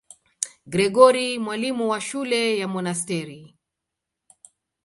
Gregori, mwalimu wa shule ya monasteri.